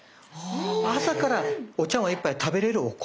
朝からお茶わん一杯食べれるお米。